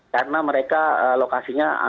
karena mereka lokasinya